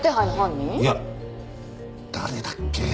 いや誰だっけ？